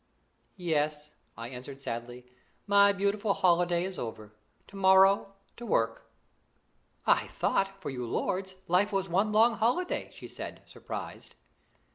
"Yes," I answered sadly. "My beautiful holiday is over. To morrow, to work." "I thought, for you lords, life was one long holiday," she said, surprised.